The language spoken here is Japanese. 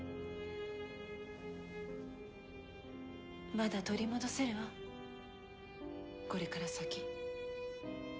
まだ取り戻せるわこれから先。